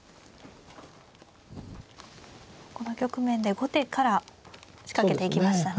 この局面で後手から仕掛けていきましたね。